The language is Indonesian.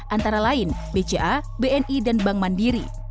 antara lain bca bni dan bank mandiri